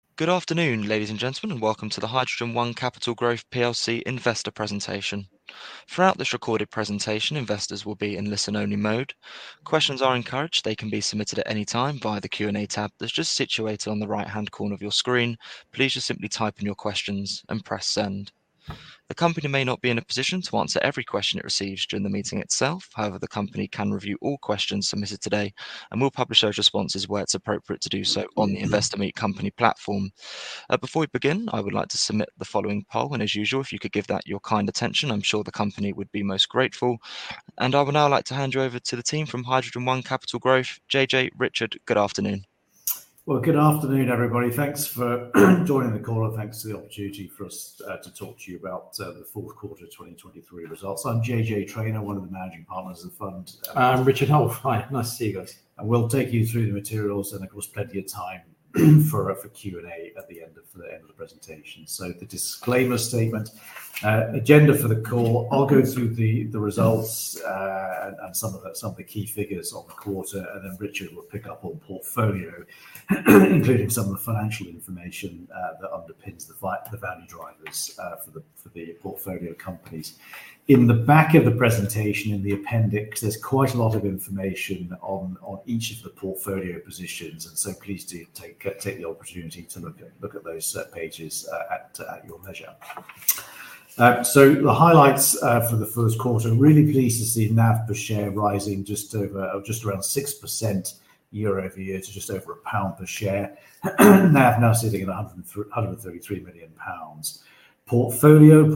Good afternoon, ladies and gentlemen, and welcome to the HydrogenOne Capital Growth plc investor presentation. Throughout this recorded presentation, investors will be in listen-only mode. Questions are encouraged. They can be submitted at any time via the Q&A tab that's just situated on the right-hand corner of your screen. Please just simply type in your questions and press send. The company may not be in a position to answer every question it receives during the meeting itself. However, the company can review all questions submitted today and will publish those responses where it's appropriate to do so on the Investor Meet Company platform. Before we begin, I would like to submit the following poll, and as usual, if you could give that your kind attention, I'm sure the company would be most grateful. I would now like to hand you over to the team from HydrogenOne Capital Growth. JJ, Richard, good afternoon. Well, good afternoon, everybody. Thanks for joining the call, and thanks for the opportunity for us to talk to you about the fourth quarter of 2023 results. I'm JJ Traynor, one of the managing partners of the fund. I'm Richard Hulf. Hi, nice to see you guys. We'll take you through the materials, and of course, plenty of time for Q&A at the end of the presentation. The disclaimer statement, So the highlights for the first quarter, really pleased to see NAV per share rising just over just around 6% year-over-year to just over GBP 1 per share. NAV now sitting at 133 million pounds. Portfolio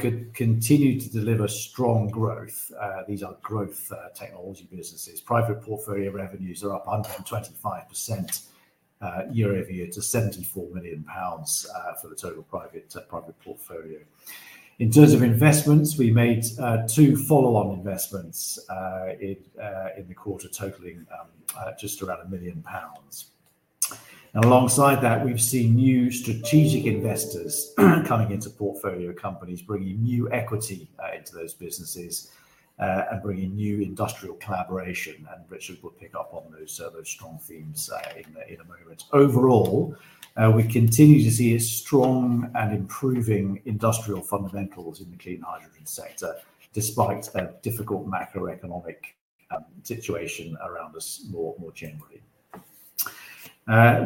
could continue to deliver strong growth. These are growth technology businesses. Private portfolio revenues are up 125% year-over-year to 74 million pounds for the total private portfolio. In terms of investments, we made two follow-on investments in the quarter, totaling just around 1 million pounds. Now, alongside that, we've seen new strategic investors coming into portfolio companies, bringing new equity into those businesses, and bringing new industrial collaboration, and Richard will pick up on those strong themes in a moment. Overall, we continue to see a strong and improving industrial fundamentals in the clean hydrogen sector, despite a difficult macroeconomic situation around us more generally.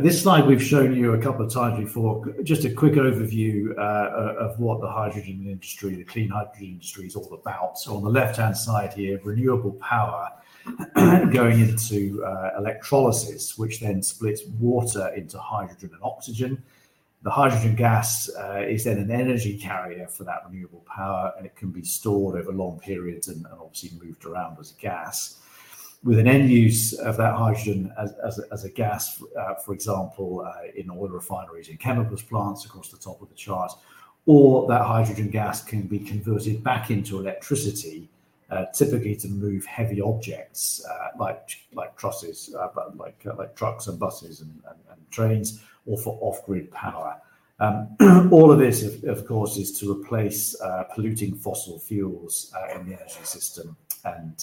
This slide we've shown you a couple of times before. Just a quick overview of what the hydrogen industry, the clean hydrogen industry is all about. So on the left-hand side here, renewable power going into electrolysis, which then splits water into hydrogen and oxygen. The hydrogen gas is then an energy carrier for that renewable power, and it can be stored over long periods and obviously moved around as a gas. With an end use of that hydrogen as a gas, for example, in oil refineries and chemicals plants across the top of the chart, or that hydrogen gas can be converted back into electricity, typically to move heavy objects, like trusses, like trucks and buses and trains, or for off-grid power. All of this, of course, is to replace polluting fossil fuels in the energy system and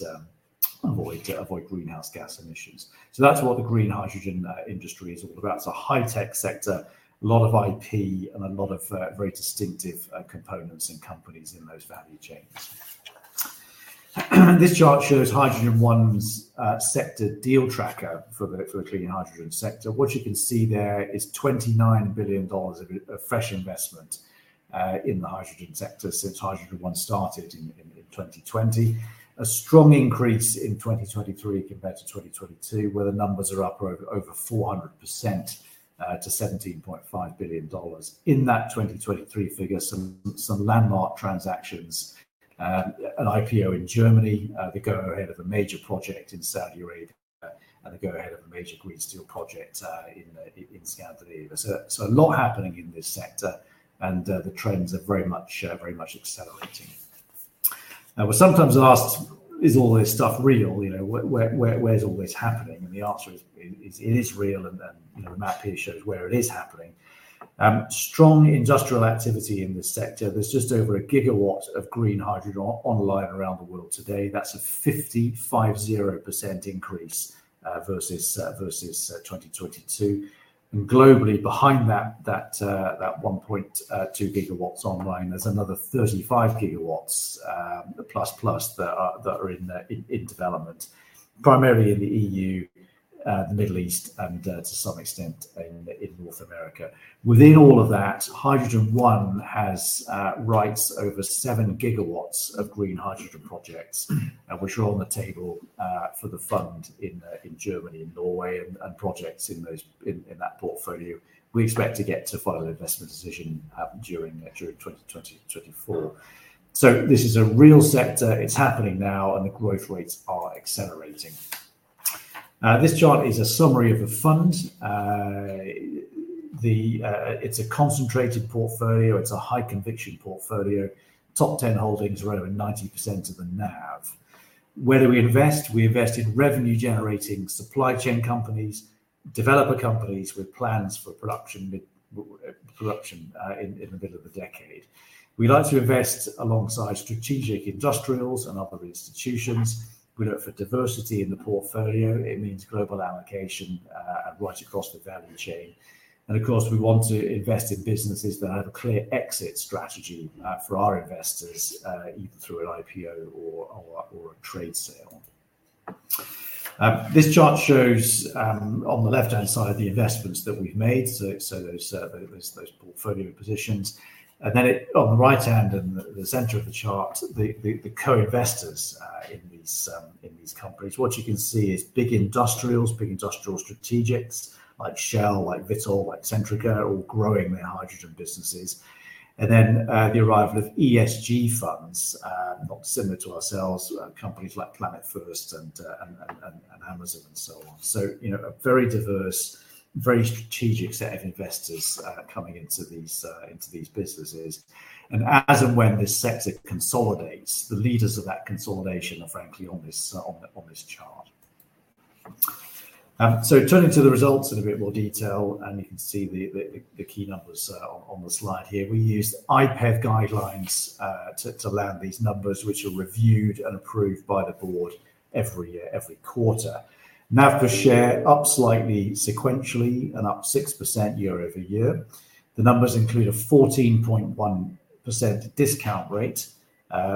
avoid greenhouse gas emissions. So that's what the green hydrogen industry is all about. It's a high-tech sector, lot of IP and a lot of very distinctive components and companies in those value chains. This chart shows HydrogenOne's sector deal tracker for the clean hydrogen sector. What you can see there is $29 billion of fresh investment in the hydrogen sector since HydrogenOne started in 2020. A strong increase in 2023 compared to 2022, where the numbers are up over 400% to $17.5 billion. In that 2023 figure, some landmark transactions, an IPO in Germany, the go-ahead of a major project in Saudi Arabia, and the go-ahead of a major green steel project in South Africa. So a lot happening in this sector, and the trends are very much accelerating. Now, we're sometimes asked, "Is all this stuff real? You know, where, where, where, where's all this happening?" And the answer is, it is real, and then, you know, the map here shows where it is happening. Strong industrial activity in this sector. There's just over 1 GW of green hydrogen online around the world today. That's a 50% increase versus 2022. And globally, behind that 1.2 GW online, there's another 35 GW+ that are in development, primarily in the E.U., the Middle East, and to some extent in North America. Within all of that, HydrogenOne has rights over 7 GW of green hydrogen projects, which are on the table for the fund in Germany and Norway, and projects in those in that portfolio. We expect to get to final investment decision during 2024. So this is a real sector, it's happening now, and the growth rates are accelerating. This chart is a summary of the fund. It is a concentrated portfolio, it's a high-conviction portfolio. Top 10 holdings are over 90% of the NAV. Where do we invest? We invest in revenue-generating supply chain companies, developer companies with plans for production mid-decade in the middle of the decade. We like to invest alongside strategic industrials and other institutions. We look for diversity in the portfolio. It means global allocation, right across the value chain. And of course, we want to invest in businesses that have a clear exit strategy for our investors, either through an IPO or a trade sale. This chart shows on the left-hand side, the investments that we've made, those portfolio positions. And then, on the right-hand and the co-investors in these companies. What you can see is big industrials, big industrial strategics, like Shell, like Vitol, like Centrica, all growing their hydrogen businesses. And then, the arrival of ESG funds, not similar to ourselves, companies like Planet First and Amazon and so on. So, you know, a very diverse, very strategic set of investors coming into these businesses. And as and when this sector consolidates, the leaders of that consolidation are frankly on this chart. So turning to the results in a bit more detail, and you can see the key numbers on the slide here. We used IPEV guidelines to land these numbers, which are reviewed and approved by the board every year, every quarter. NAV per share up slightly sequentially and up 6% year-over-year. The numbers include a 14.1% discount rate,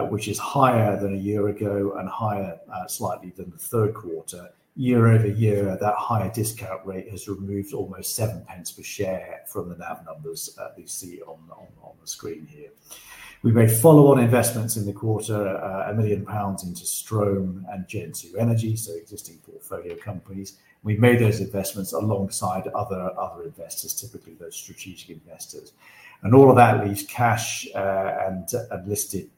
which is higher than a year ago and higher slightly than the third quarter. Year-over-year, that higher discount rate has removed almost 0.07 per share from the NAV numbers that you see on the screen here. We made follow-on investments in the quarter, 1 million pounds into Strohm and Gen2 Energy, so existing portfolio companies. We've made those investments alongside other investors, typically those strategic investors. All of that leaves cash and listed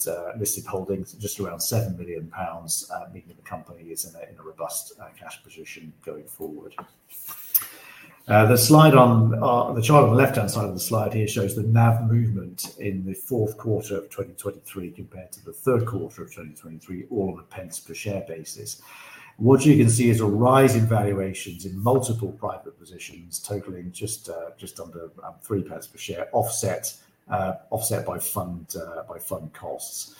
holdings just around 7 million pounds, meaning the company is in a robust cash position going forward. The slide on the chart on the left-hand side of the slide here shows the NAV movement in the fourth quarter of 2023 compared to the third quarter of 2023, all on GBP 0.01 per share basis. What you can see is a rise in valuations in multiple private positions, totaling just under 0.03 pounds per share, offset by fund costs.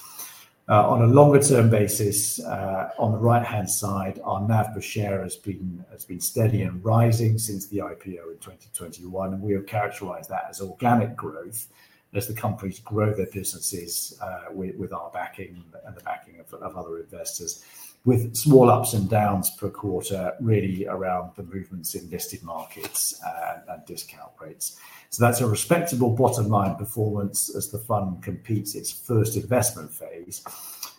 On a longer-term basis, on the right-hand side, our NAV per share has been steady and rising since the IPO in 2021, and we have characterized that as organic growth as the companies grow their businesses, with our backing and the backing of other investors, with small ups and downs per quarter, really around the movements in listed markets, and discount rates. So that's a respectable bottom-line performance as the fund completes its first investment phase.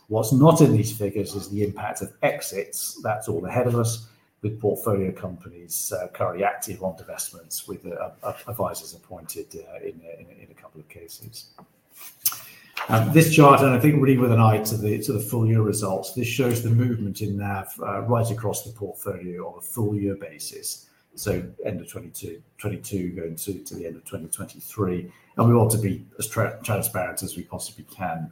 What's not in these figures is the impact of exits. That's all ahead of us with portfolio companies currently active on divestments, with advisors appointed in a couple of cases. This chart, and I think really with an eye to the full-year results, this shows the movement in NAV right across the portfolio on a full-year basis. End of 2022 going to the end of 2023. We want to be as transparent as we possibly can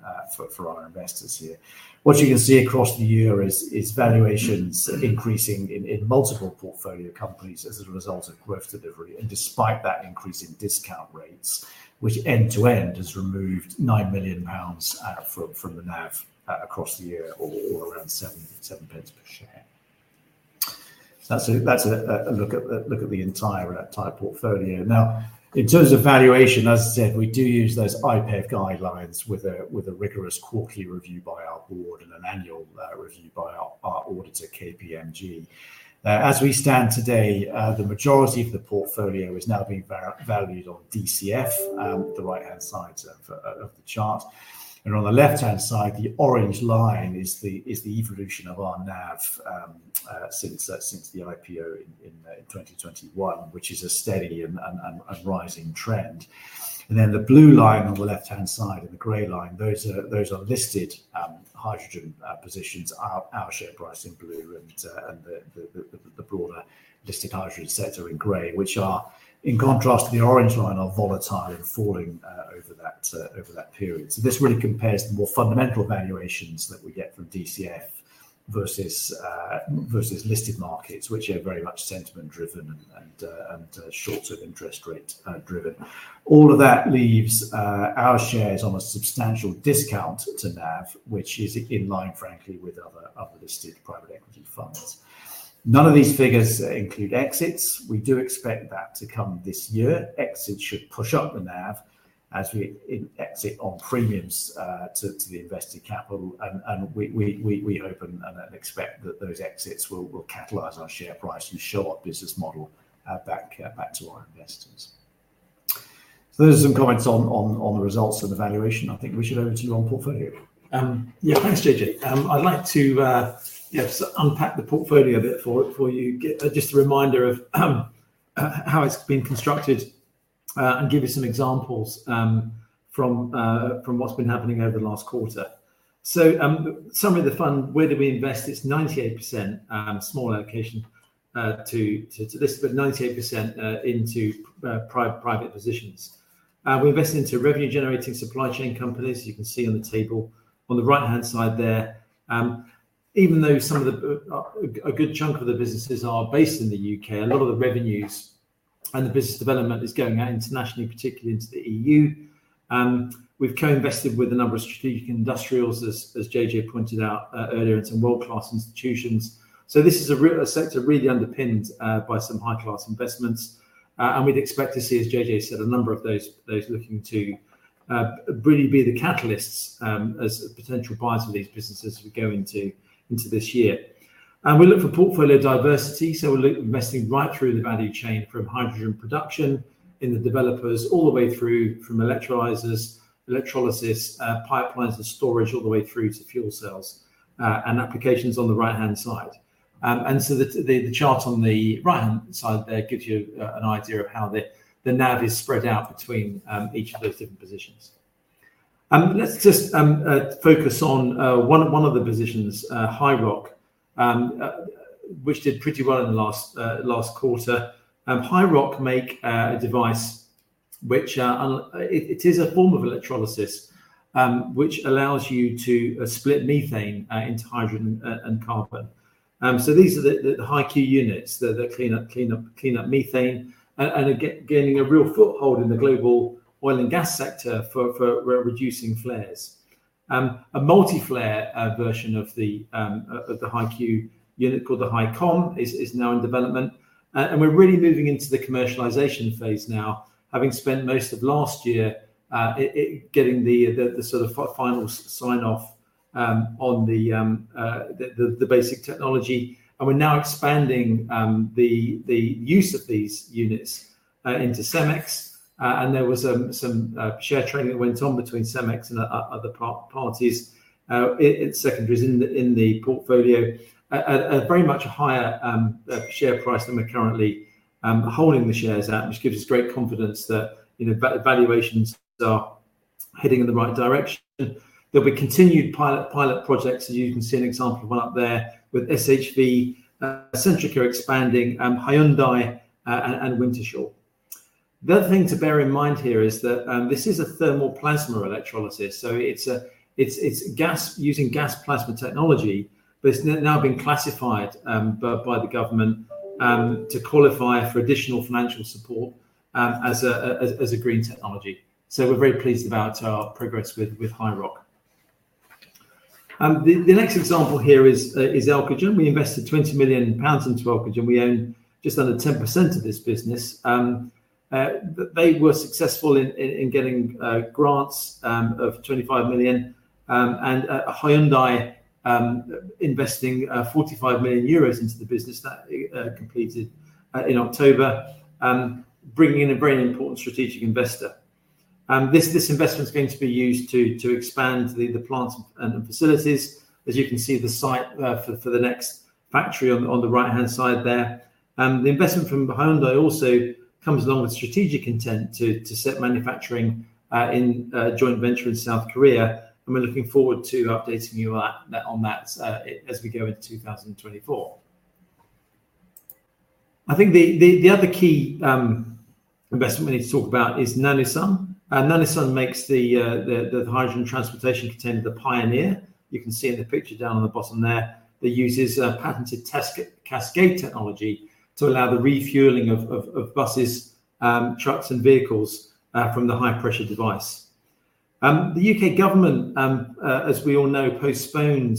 for our investors here. What you can see across the year is valuations increasing in multiple portfolio companies as a result of growth delivery, and despite that increase in discount rates, which end-to-end has removed 9 million pounds from the NAV across the year, or around 0.07 per share. So that's a look at the entire portfolio. Now, in terms of valuation, as I said, we do use those IPEV guidelines with a rigorous quarterly review by our board and an annual review by our auditor, KPMG. As we stand today, the majority of the portfolio is now being valued on DCF, the right-hand side of the chart. And on the left-hand side, the orange line is the evolution of our NAV since the IPO in 2021, which is a steady and rising trend. The blue line on the left-hand side and the gray line, those are listed hydrogen positions, our share price in blue and the broader listed hydrogen sector in gray, which, in contrast to the orange line, are volatile and falling over that period. This really compares the more fundamental valuations that we get from DCF versus listed markets, which are very much sentiment driven and short-term interest rate driven. All of that leaves our shares on a substantial discount to NAV, which is in line, frankly, with other listed private equity funds. None of these figures include exits. We do expect that to come this year. Exits should push up the NAV as we exit on premiums to the invested capital, and we hope and expect that those exits will catalyze our share price and show our business model back to our investors. So those are some comments on the results and the valuation. I think we should go over to you on portfolio. Yeah, thanks, JJ. I'd like to yes, unpack the portfolio a bit for you. Just a reminder of how it's been constructed, and give you some examples from what's been happening over the last quarter. Summary of the fund, where do we invest? It's 98%, small allocation to this, but 98% into private positions. We invest into revenue-generating supply chain companies, you can see on the table on the right-hand side there. Even though some of the, a good chunk of the businesses are based in the U.K., a lot of the revenues and the business development is going out internationally, particularly into the E.U. We've co-invested with a number of strategic industrials, as JJ pointed out earlier, and some world-class institutions. So this is a real sector really underpinned by some high-class investments. We'd expect to see, as JJ said, a number of those looking to really be the catalysts as potential buyers of these businesses as we go into this year. We look for portfolio diversity, so we're investing right through the value chain from hydrogen production in the developers, all the way through from electrolyzers, electrolysis, pipelines and storage, all the way through to fuel cells and applications on the right-hand side. So the chart on the right-hand side there gives you an idea of how the NAV is spread out between each of those different positions. Let's just focus on one of the positions, HiiROC, which did pretty well in the last quarter. HiiROC make a device which it is a form of electrolysis, which allows you to split methane into hydrogen and carbon. So these are the HiQ units that clean up methane and are gaining a real foothold in the global oil and gas sector for, well, reducing flares. A multi-flare version of the HiQ unit, called the HiCOM, is now in development. And we're really moving into the commercialization phase now, having spent most of last year getting the sort of final sign-off on the basic technology. We're now expanding the use of these units into Cemex. There was some share trading that went on between Cemex and other parties. It's secondaries in the portfolio, at very much a higher share price than we're currently holding the shares at, which gives us great confidence that, you know, the valuations are heading in the right direction. There'll be continued pilot projects, as you can see an example of one up there with SHV. Centrica are expanding, Hyundai, and Wintershall. The other thing to bear in mind here is that this is a thermal plasma electrolysis, so it's a gas, using gas plasma technology, but it's now been classified by the government to qualify for additional financial support as a green technology. So we're very pleased about our progress with HiiROC. The next example here is Elcogen. We invested 20 million pounds into Elcogen, and we own just under 10% of this business. They were successful in getting grants of 25 million, and HD Hyundai investing 45 million euros into the business. That completed in October, bringing in a very important strategic investor. This investment is going to be used to expand the plants and facilities. As you can see, the site for the next factory on the right-hand side there. The investment from Hyundai also comes along with strategic intent to set manufacturing in a joint venture in South Korea, and we're looking forward to updating you on that as we go into 2024. I think the other key investment we need to talk about is NanoSUN. NanoSUN makes the hydrogen transportation container, the Pioneer. You can see in the picture down on the bottom there, that uses a patented cascade technology to allow the refueling of buses, trucks and vehicles from the high-pressure device. The U.K. government, as we all know, postponed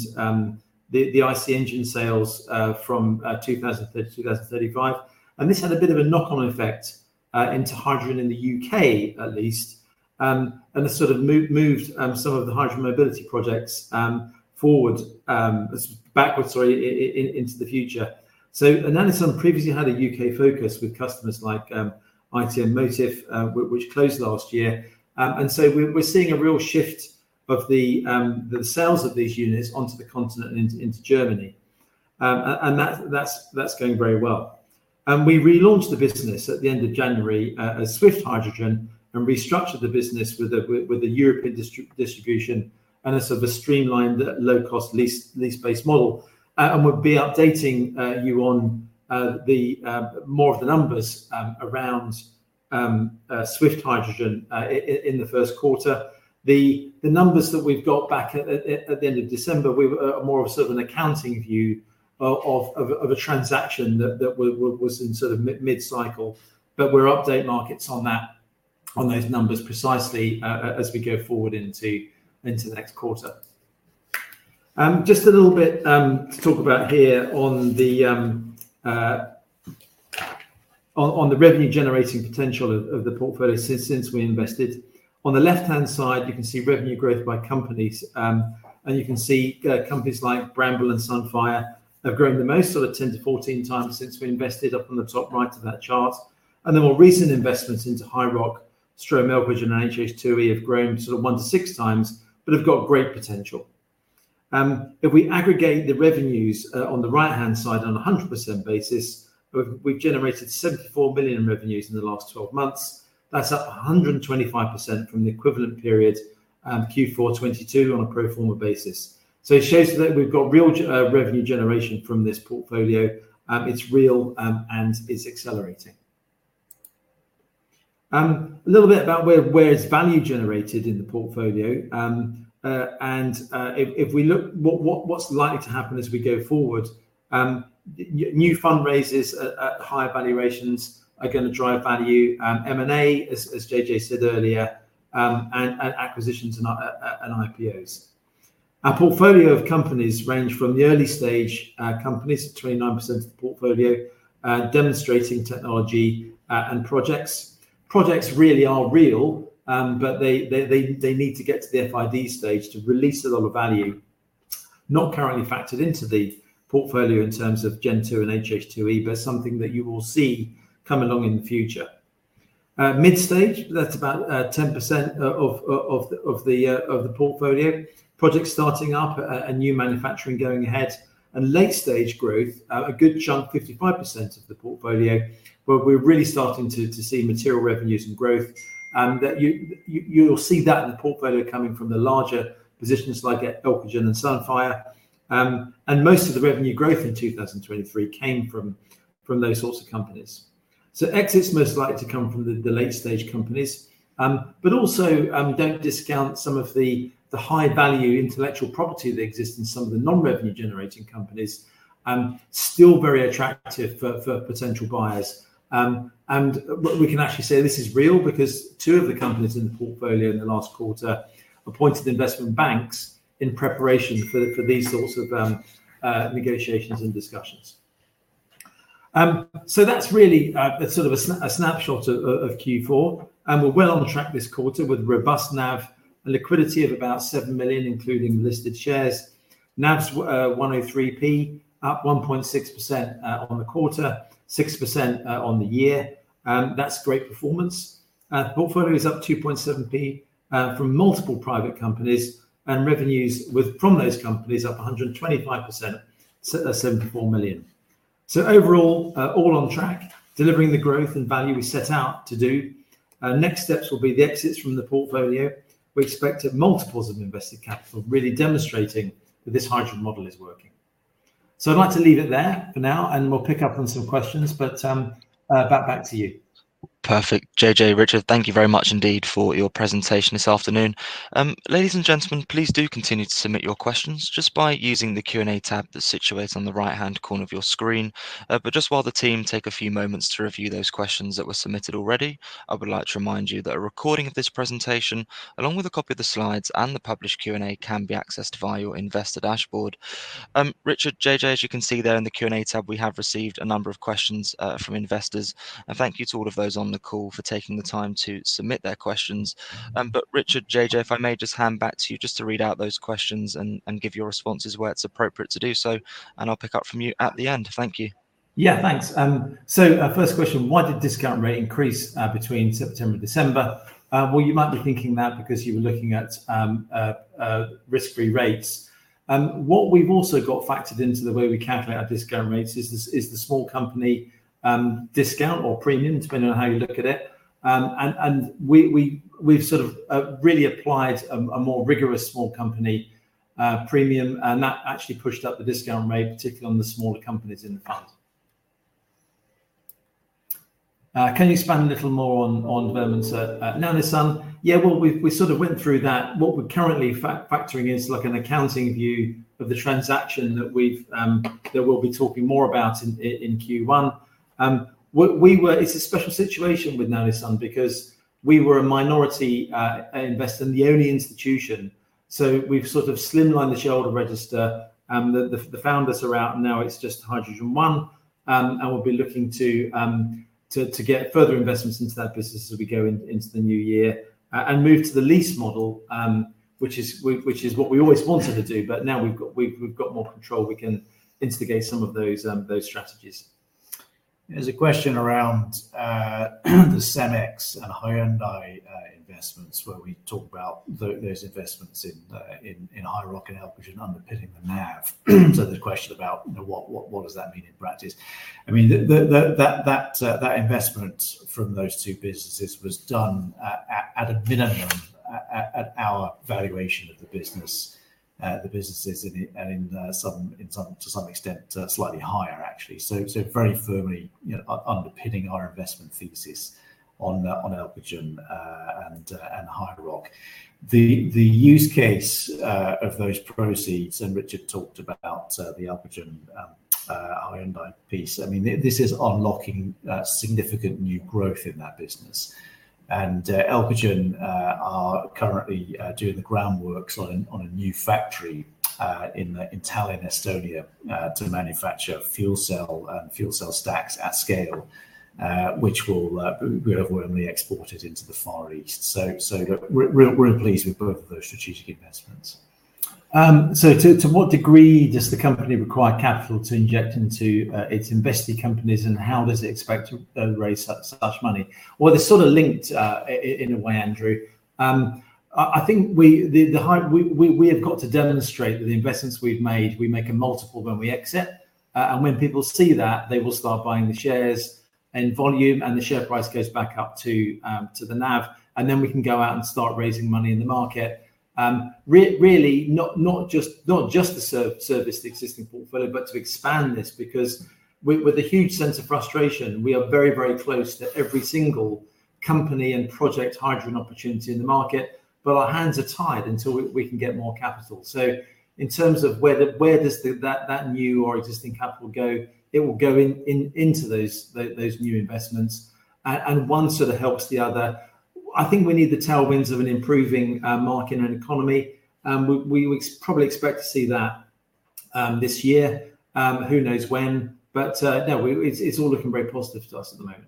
the I.C. engine sales from 2030 to 2035, and this had a bit of a knock-on effect into hydrogen in the U.K., at least. And this sort of moved some of the hydrogen mobility projects forward as backwards, sorry, into the future. So NanoSUN previously had a U.K. focus with customers like ITM Power, which closed last year. And so we're seeing a real shift of the sales of these units onto the continent and into Germany. And that's going very well. And we relaunched the business at the end of January, as Swift Hydrogen, and restructured the business with a European distribution and a sort of a streamlined, low-cost lease-based model. And we'll be updating you on the more of the numbers around Swift Hydrogen in the first quarter. The numbers that we've got back at the end of December, we were more of a sort of an accounting view of a transaction that was in sort of mid-cycle. But we'll update markets on that, on those numbers precisely, as we go forward into the next quarter. Just a little bit to talk about here on the revenue-generating potential of the portfolio since we invested. On the left-hand side, you can see revenue growth by companies, and you can see companies like Bramble and Sunfire have grown the most sort of 10x-14x since we invested up on the top right of that chart. And the more recent investments into HiiROC, Strohm, Elcogen, and HH2E have grown sort of 1x-6x, but have got great potential. If we aggregate the revenues, on the right-hand side on a 100% basis, we've generated 74 million in revenues in the last twelve months. That's up 125% from the equivalent period, Q4 2022, on a pro forma basis. So it shows that we've got real revenue generation from this portfolio, it's real, and it's accelerating. A little bit about where value is generated in the portfolio. And if we look at what's likely to happen as we go forward, new fundraises at higher valuations are gonna drive value, M&A, as JJ said earlier, and acquisitions and IPOs. Our portfolio of companies range from the early stage companies, at 29% of the portfolio, demonstrating technology, and projects. Projects really are real, but they need to get to the FID stage to release a lot of value not currently factored into the portfolio in terms of Gen2 and HH2E, but something that you will see come along in the future. Mid-stage, that's about 10% of the portfolio. Projects starting up and new manufacturing going ahead. And late-stage growth, a good chunk, 55% of the portfolio, where we're really starting to see material revenues and growth, that you'll see that in the portfolio coming from the larger positions like Elcogen and Sunfire. And most of the revenue growth in 2023 came from those sorts of companies. So exits most likely to come from the late-stage companies, but also don't discount some of the high-value intellectual property that exists in some of the non-revenue generating companies, still very attractive for potential buyers. What we can actually say this is real, because two of the companies in the portfolio in the last quarter appointed investment banks in preparation for these sorts of negotiations and discussions. So that's really sort of a snapshot of Q4, and we're well on track this quarter with robust NAV and liquidity of about 7 million, including listed shares. NAV's 103p, up 1.6% on the quarter, 6% on the year, and that's great performance. Portfolio is up 2.7p from multiple private companies, and revenues from those companies up 125%, so at 74 million. So overall, all on track, delivering the growth and value we set out to do. Our next steps will be the exits from the portfolio. We expect at multiples of invested capital, really demonstrating that this hydrogen model is working. So I'd like to leave it there for now, and we'll pick up on some questions, but back to you. Perfect. JJ, Richard, thank you very much indeed for your presentation this afternoon. Ladies and gentlemen, please do continue to submit your questions just by using the Q&A tab that's situated on the right-hand corner of your screen. But just while the team take a few moments to review those questions that were submitted already, I would like to remind you that a recording of this presentation, along with a copy of the slides and the published Q&A, can be accessed via your investor dashboard. Richard, JJ, as you can see there in the Q&A tab, we have received a number of questions from investors, and thank you to all of those on the call for taking the time to submit their questions. But Richard, JJ, if I may just hand back to you just to read out those questions and give your responses where it's appropriate to do so, and I'll pick up from you at the end. Thank you. Yeah, thanks. So, first question, why did discount rate increase between September and December? Well, you might be thinking that because you were looking at risk-free rates. What we've also got factored into the way we calculate our discount rates is the small company discount or premium, depending on how you look at it. And we've sort of really applied a more rigorous small company premium, and that actually pushed up the discount rate, particularly on the smaller companies in the fund. Can you expand a little more on Vernon's NanoSUN? Yeah, well, we sort of went through that. What we're currently factoring is like an accounting view of the transaction that we'll be talking more about in Q1. It's a special situation with NanoSUN because we were a minority investor and the only institution, so we've sort of slimmed down the shareholder register, and the founders are out, and now it's just HydrogenOne. And we'll be looking to get further investments into that business as we go into the new year, and move to the lease model, which is what we always wanted to do, but now we've got more control, we can instigate some of those strategies. There's a question around the Cemex and Hyundai investments, where we talk about those investments in HiiROC and help with underpinning the NAV. So the question about what does that mean in practice? I mean, that investment from those two businesses was done at a minimum at our valuation of the business, the businesses and in some to some extent slightly higher, actually. So very firmly, you know, underpinning our investment thesis on Elcogen and HiiROC. The use case of those proceeds, and Richard talked about the Elcogen Hyundai piece. I mean, this is unlocking significant new growth in that business. Elcogen are currently doing the groundwork on a new factory in Tallinn, Estonia, to manufacture fuel cell stacks at scale, which will be ultimately exported into the Far East. So we're pleased with both of those strategic investments. So, to what degree does the company require capital to inject into its invested companies, and how does it expect to raise such money? Well, they're sort of linked in a way, Andrew. I think we have got to demonstrate that the investments we've made, we make a multiple when we exit. And when people see that, they will start buying the shares and volume, and the share price goes back up to the NAV, and then we can go out and start raising money in the market. Really, not just to service the existing portfolio, but to expand this, because with a huge sense of frustration, we are very, very close to every single company and project hydrogen opportunity in the market, but our hands are tied until we can get more capital. So in terms of where does that new or existing capital go, it will go into those new investments, and one sort of helps the other. I think we need the tailwinds of an improving market and economy, we probably expect to see that this year, who knows when? But it's all looking very positive to us at the moment.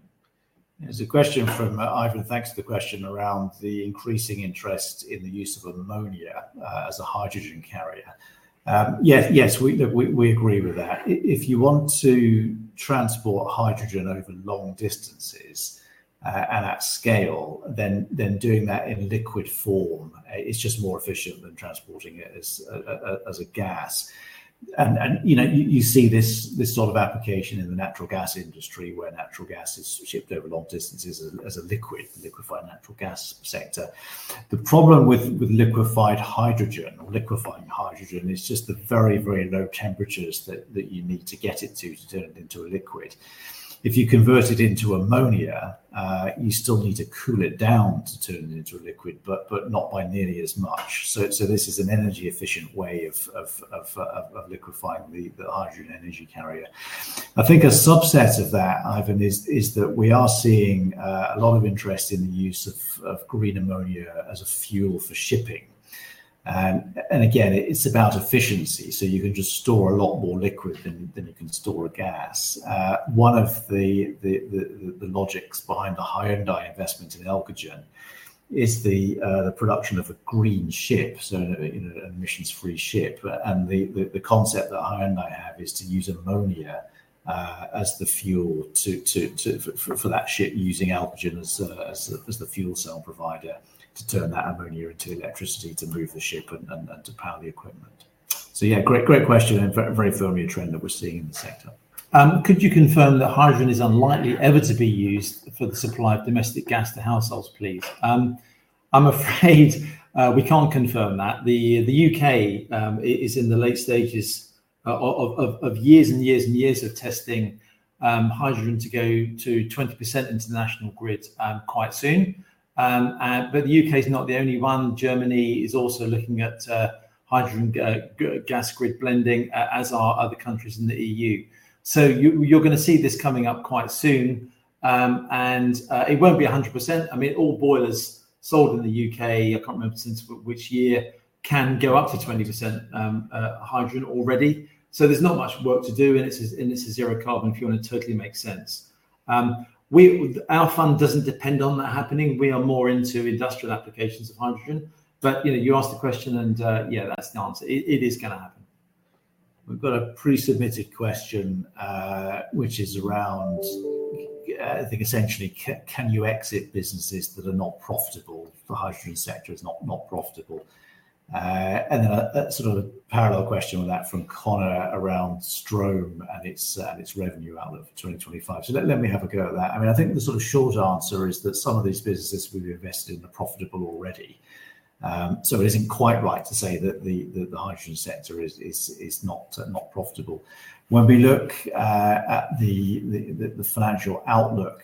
There's a question from Ivan, thanks for the question, around the increasing interest in the use of ammonia as a hydrogen carrier. Yes, yes, we look, we, we agree with that. If you want to transport hydrogen over long distances and at scale, then doing that in liquid form is just more efficient than transporting it as a gas. And, you know, you see this sort of application in the natural gas industry, where natural gas is shipped over long distances as a liquid, liquefied natural gas sector. The problem with liquefied hydrogen or liquefying hydrogen is just the very, very low temperatures that you need to get it to, to turn it into a liquid. If you convert it into ammonia, you still need to cool it down to turn it into a liquid, but not by nearly as much. So this is an energy efficient way of liquefying the hydrogen energy carrier. I think a subset of that, Ivan, is that we are seeing a lot of interest in the use of green ammonia as a fuel for shipping. And again, it's about efficiency, so you can just store a lot more liquid than you can store gas. One of the logics behind the Hyundai investment in Elcogen is the production of a green ship, so you know, an emissions-free ship. And the concept that Hyundai have is to use ammonia as the fuel to for that ship, using Elcogen as the fuel cell provider, to turn that ammonia into electricity, to move the ship and to power the equipment. So yeah, great, great question, and very, very firmly a trend that we're seeing in the sector. Could you confirm that hydrogen is unlikely ever to be used for the supply of domestic gas to households, please? I'm afraid we can't confirm that. The U.K. is in the late stages of years and years and years of testing hydrogen to go to 20% into the National Grid quite soon. But the U.K. is not the only one. Germany is also looking at hydrogen gas grid blending, as are other countries in the E.U. So you're gonna see this coming up quite soon. And it won't be 100%. I mean, all boilers sold in the U.K., I can't remember since which year, can go up to 20% hydrogen already. So there's not much work to do, and this is zero carbon, if you wanna totally make sense. Our fund doesn't depend on that happening. We are more into industrial applications of hydrogen. But, you know, you asked the question, and, yeah, that's the answer. It is gonna happen. We've got a pre-submitted question, which is around, I think essentially, can you exit businesses that are not profitable, the hydrogen sector is not profitable? And then a sort of a parallel question on that from Conor around Strohm and its revenue out of 2025. So let me have a go at that. I mean, I think the sort of short answer is that some of these businesses we've invested in are profitable already. So it isn't quite right to say that the hydrogen sector is not profitable. When we look at the financial outlook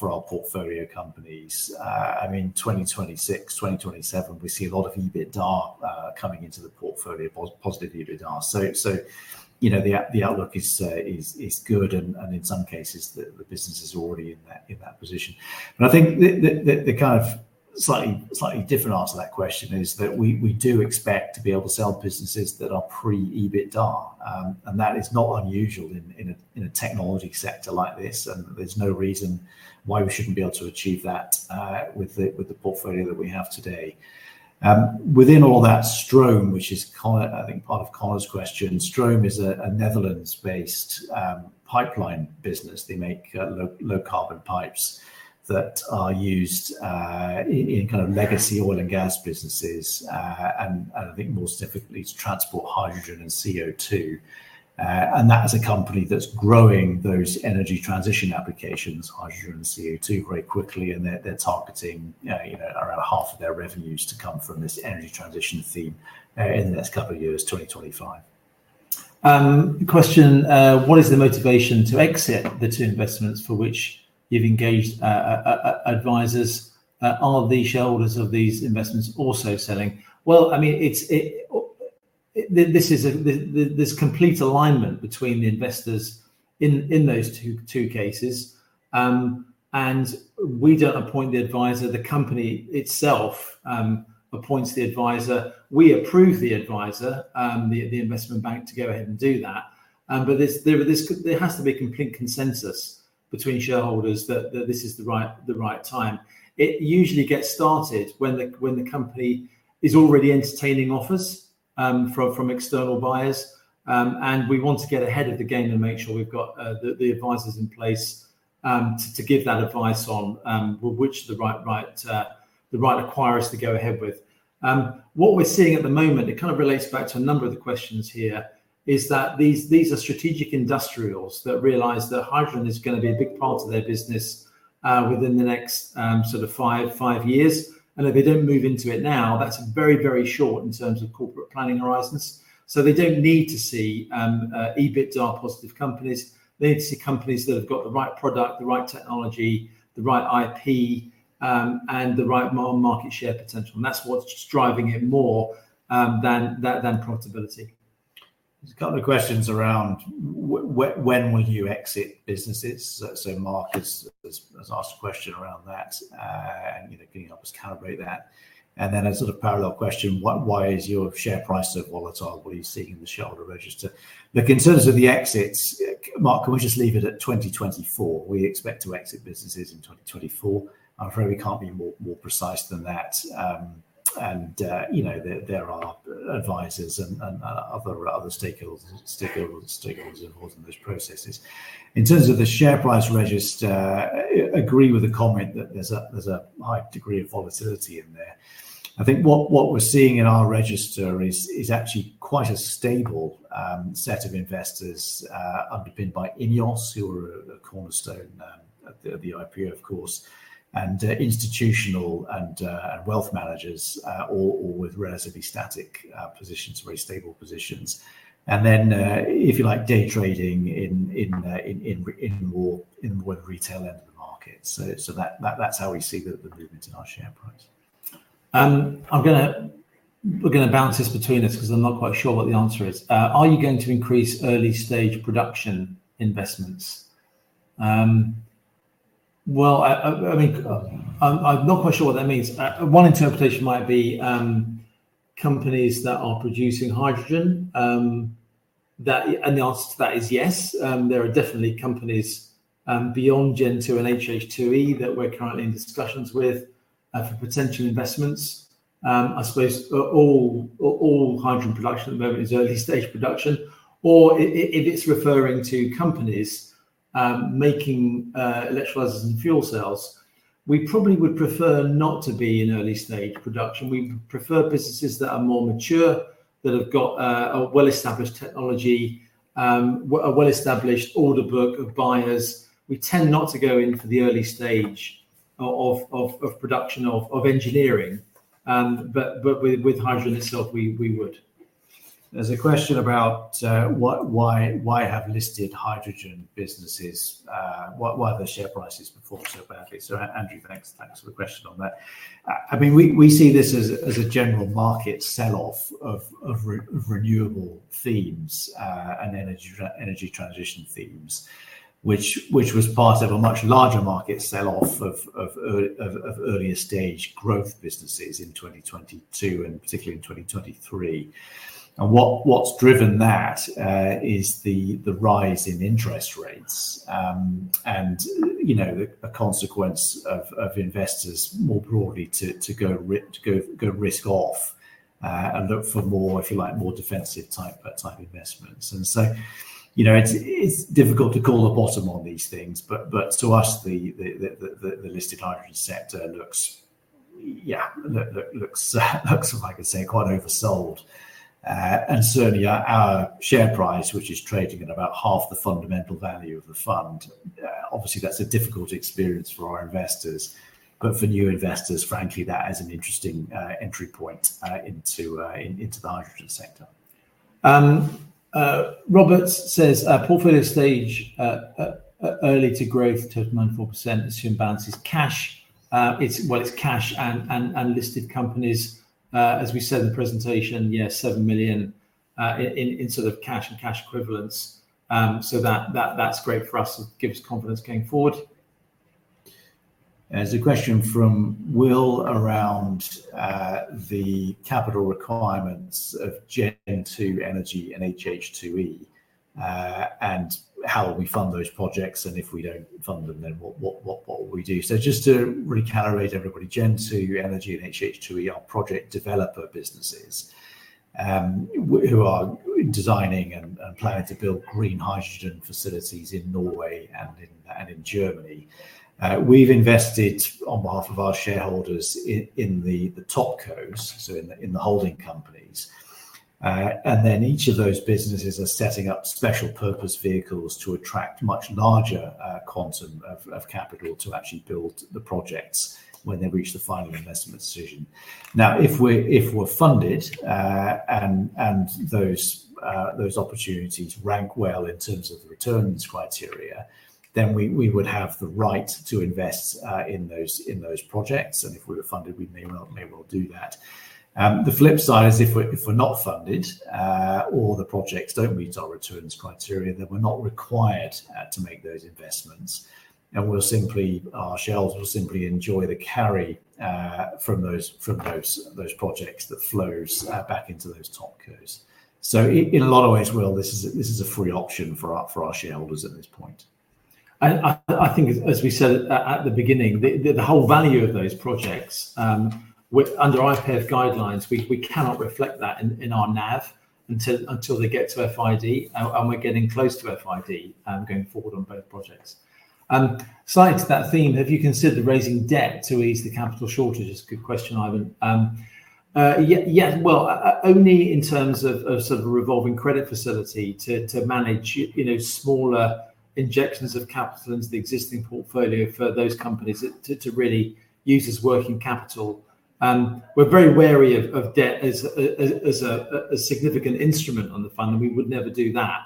for our portfolio companies, I mean, 2026, 2027, we see a lot of EBITDA coming into the portfolio, positive EBITDA. You know, the outlook is good and in some cases, the business is already in that position. And I think the kind of slightly different answer to that question is that we do expect to be able to sell businesses that are pre-EBITDA, and that is not unusual in a technology sector like this, and there's no reason why we shouldn't be able to achieve that with the portfolio that we have today. Within all that Strohm, which is Conor, I think part of Conor's question, Strohm is a Netherlands-based pipeline business. They make low carbon pipes that are used in kind of legacy oil and gas businesses, and I think more specifically to transport hydrogen and CO2. That is a company that's growing those energy transition applications, hydrogen and CO2, very quickly, and they're, they're targeting, you know, around half of their revenues to come from this energy transition theme, in the next couple of years, 2025. The question: What is the motivation to exit the two investments for which you've engaged advisors? Are the shareholders of these investments also selling? Well, I mean, it's this. There's complete alignment between the investors in those two cases. We don't appoint the advisor, the company itself appoints the advisor. We approve the advisor, the investment bank, to go ahead and do that. But there's this, there has to be complete consensus between shareholders that this is the right time. It usually gets started when the company is already entertaining offers from external buyers, and we want to get ahead of the game and make sure we've got the advisors in place to give that advice on which are the right acquirers to go ahead with. What we're seeing at the moment, it kind of relates back to a number of the questions here, is that these are strategic industrials that realize that hydrogen is gonna be a big part of their business within the next sort of five years. And if they don't move into it now, that's very, very short in terms of corporate planning horizons. So they don't need to see EBITDA positive companies. They need to see companies that have got the right product, the right technology, the right IP, and the right market share potential, and that's what's just driving it more than profitability. There's a couple of questions around when, when will you exit businesses? So Mark has asked a question around that, and, you know, can you help us calibrate that? And then a sort of parallel question, why is your share price so volatile? What are you seeing in the shareholder register? In terms of the exits, Mark, can we just leave it at 2024? We expect to exit businesses in 2024. I'm afraid we can't be more precise than that. And, you know, there are advisors and other stakeholders involved in those processes. In terms of the share price register, I agree with the comment that there's a high degree of volatility in there. I think what we're seeing in our register is actually quite a stable set of investors, underpinned by INEOS, who are a cornerstone at the IPO, of course, and institutional and wealth managers, all with relatively static positions, very stable positions. And then, if you like, day trading in more in the retail end of the market. So, that that's how we see the movement in our share price. We're gonna bounce this between us because I'm not quite sure what the answer is. Are you going to increase early-stage production investments? Well, I mean, I'm not quite sure what that means. One interpretation might be companies that are producing hydrogen, and the answer to that is yes. There are definitely companies beyond Gen2 and HH2E that we're currently in discussions with for potential investments. I suppose all hydrogen production at the moment is early-stage production, or if it's referring to companies making electrolyzers and fuel cells, we probably would prefer not to be in early-stage production. We prefer businesses that are more mature, that have got a well-established technology, a well-established order book of buyers. We tend not to go in for the early stage of production or engineering, but with hydrogen itself, we would. There's a question about what why have listed hydrogen businesses why have the share prices performed so badly? So Andrew, thanks, thanks for the question on that. I mean, we see this as a general market sell-off of renewable themes and energy transition themes, which was part of a much larger market sell-off of earlier stage growth businesses in 2022, and particularly in 2023. And what's driven that is the rise in interest rates, and you know, a consequence of investors more broadly to go risk off, and look for more, if you like, more defensive type investments. You know, it's difficult to call a bottom on these things, but to us, the listed hydrogen sector looks, if I could say, quite oversold. And certainly our share price, which is trading at about half the fundamental value of the fund, obviously, that's a difficult experience for our investors. But for new investors, frankly, that is an interesting entry point into the hydrogen sector. Robert says, "Portfolio stage, early to growth, 39.4%, assume balance is cash." It's, well, it's cash and listed companies, as we said in the presentation, yeah, 7 million in sort of cash and cash equivalents. So that's great for us. It gives us confidence going forward. There's a question from Will around the capital requirements of Gen2 Energy and HH2E, and how we fund those projects, and if we don't fund them, then what, what, what will we do? So just to recalibrate everybody, Gen2 Energy and HH2E are project developer businesses, who are designing and planning to build green hydrogen facilities in Norway and in Germany. We've invested on behalf of our shareholders in the topcos, so in the holding companies. And then each of those businesses are setting up special purpose vehicles to attract much larger quantum of capital to actually build the projects when they reach the final investment decision. Now, if we're funded, and those opportunities rank well in terms of the returns criteria, then we would have the right to invest in those projects, and if we were funded, we may well do that. The flip side is if we're not funded, or the projects don't meet our returns criteria, then we're not required to make those investments, and we'll simply, our shareholders will simply enjoy the carry from those projects that flows back into those topcos. So in a lot of ways, Will, this is a free option for our shareholders at this point. I think as we said at the beginning, the whole value of those projects under IPEV guidelines, we cannot reflect that in our NAV until they get to FID, and we're getting close to FID going forward on both projects. So to that theme, have you considered raising debt to ease the capital shortage? It's a good question, Ivan. Yeah, yeah, well, only in terms of sort of a revolving credit facility to manage, you know, smaller injections of capital into the existing portfolio for those companies to really use as working capital... we're very wary of debt as a significant instrument on the fund, and we would never do that.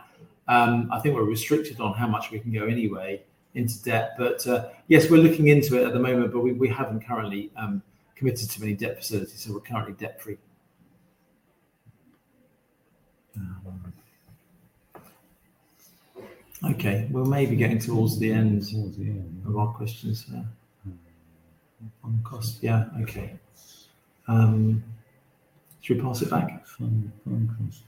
I think we're restricted on how much we can go anyway into debt, but, yes, we're looking into it at the moment, but we, we haven't currently committed to any debt facilities, so we're currently debt-free. Okay, we're maybe getting towards the end- Toward the end. -of our questions here. On cost, yeah, okay. Should we pass it back? Fun, fun question.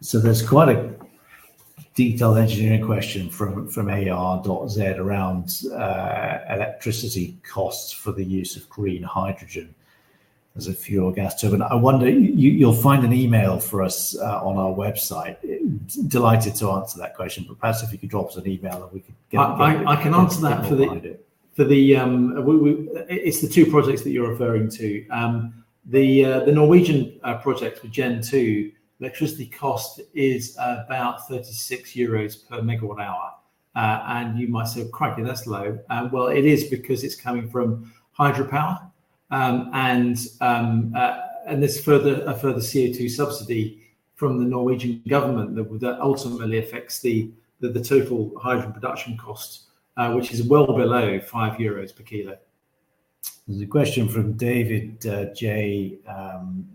So there's quite a detailed engineering question from AR.Z around electricity costs for the use of green hydrogen as a fuel or gas turbine. I wonder, you'll find an email for us on our website. Delighted to answer that question, but perhaps if you could drop us an email and we could get- I can answer that for the- Get more into it. For the, it's the two projects that you're referring to. The Norwegian project for Gen2, electricity cost is about 36 euros per MWh. And you might say, "Crikey, that's low." Well, it is because it's coming from hydropower, and there's a further CO2 subsidy from the Norwegian government that ultimately affects the total hydrogen production cost, which is well below 5 euros per kilo. There's a question from David J.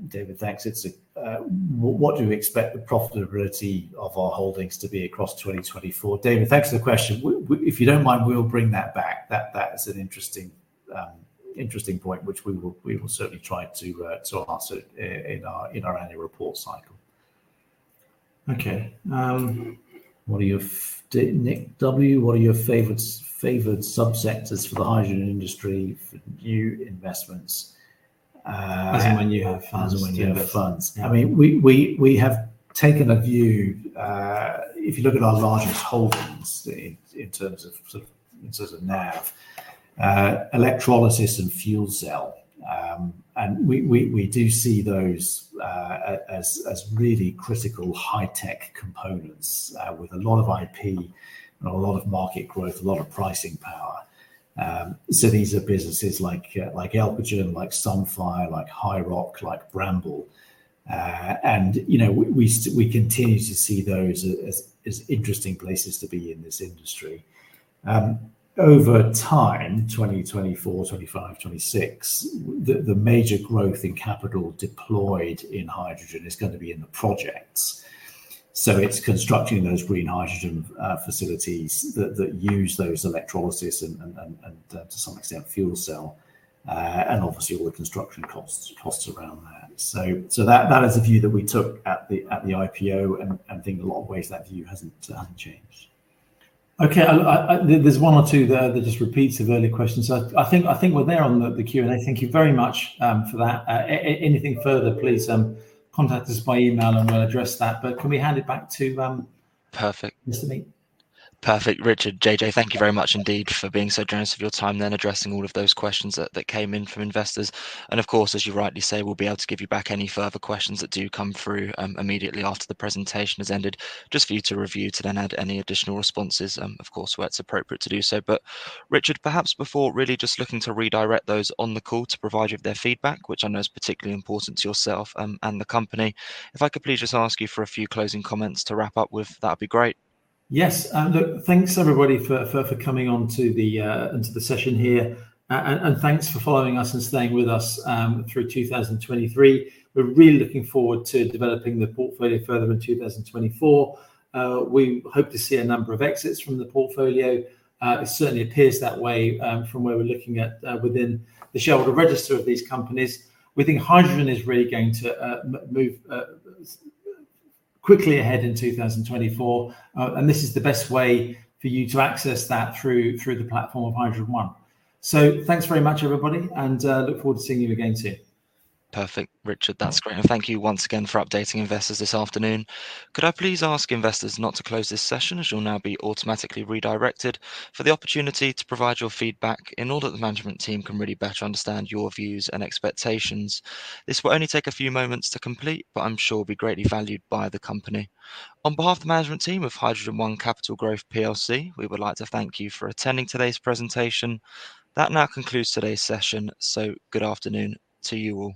David, thanks. It's what do you expect the profitability of our holdings to be across 2024? David, thanks for the question. If you don't mind, we'll bring that back. That is an interesting point, which we will certainly try to answer in our annual report cycle. Okay. What are your favored subsectors for the hydrogen industry for new investments? As and when you have funds. As and when you have funds. Yeah. I mean, we have taken a view, if you look at our largest holdings in terms of NAV, electrolysis and fuel cell, and we do see those as really critical high-tech components with a lot of IP and a lot of market growth, a lot of pricing power. So these are businesses like Elcogen, like Sunfire, like HiiROC, like Bramble. And you know, we continue to see those as interesting places to be in this industry. Over time, 2024, 2025, 2026, the major growth in capital deployed in hydrogen is gonna be in the projects. So it's constructing those green hydrogen facilities that use those electrolysis and, to some extent, fuel cell, and obviously all the construction costs around that. So that is the view that we took at the IPO, and I think in a lot of ways, that view hasn't changed. Okay, there's one or two there that just repeats of earlier questions. So I think we're there on the Q&A. Thank you very much for that. Anything further, please, contact us by email and we'll address that. But can we hand it back to, Perfect. Mr. Meek. Perfect, Richard, JJ, thank you very much indeed for being so generous of your time then addressing all of those questions that came in from investors. And of course, as you rightly say, we'll be able to give you back any further questions that do come through, immediately after the presentation has ended, just for you to review to then add any additional responses, of course, where it's appropriate to do so. But Richard, perhaps before really just looking to redirect those on the call to provide you with their feedback, which I know is particularly important to yourself, and the company, if I could please just ask you for a few closing comments to wrap up with, that'd be great. Yes. Look, thanks, everybody, for coming onto the session here. And thanks for following us and staying with us through 2023. We're really looking forward to developing the portfolio further in 2024. We hope to see a number of exits from the portfolio. It certainly appears that way, from where we're looking at within the shareholder register of these companies. We think hydrogen is really going to move quickly ahead in 2024, and this is the best way for you to access that through the platform of HydrogenOne. So thanks very much, everybody, and look forward to seeing you again soon. Perfect, Richard. That's great, and thank you once again for updating investors this afternoon. Could I please ask investors not to close this session, as you'll now be automatically redirected, for the opportunity to provide your feedback in order that the management team can really better understand your views and expectations? This will only take a few moments to complete, but I'm sure will be greatly valued by the company. On behalf of the management team of HydrogenOne Capital Growth plc, we would like to thank you for attending today's presentation. That now concludes today's session, so good afternoon to you all.